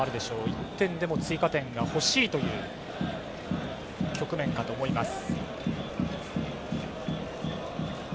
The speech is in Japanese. １点でも追加点が欲しいという局面かと思います。